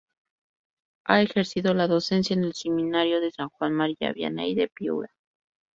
Ha ejercido la docencia en el Seminario San Juan María Vianney de Piura.